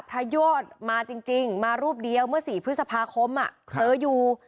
โยธมาจริงมารูปเดียวเมื่อ๔พฤษภาคมเธออยู่